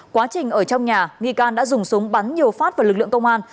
quá trình ở trong nhà nghi can đã dùng súng bắn nhiều phát vào lực lượng công an